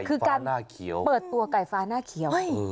คือการเปิดตัวไก่ฟ้าหน้าเขียว